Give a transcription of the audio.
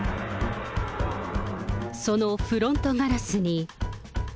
そのフロントガラスに。